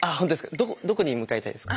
どこどこに向かいたいですか？